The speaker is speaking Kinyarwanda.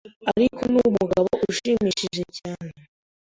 ariko ni umugabo ushimishije cyane